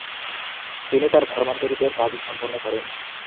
তিনি তার ধর্মান্তরিতের কাজ সম্পন্ন করেন।